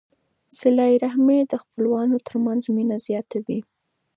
صله رحمي د خپلوانو ترمنځ مینه زیاتوي.